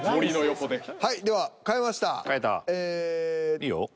いいよ。